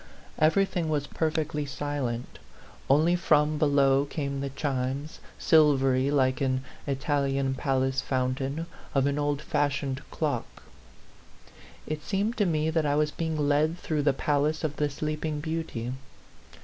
Every thing was perfectly silent; only from be low came the chimes, silvery like an Italian palace fountain, of an old fashioned clock. It seemed to me that I was being led through the palace of the Sleeping Beauty.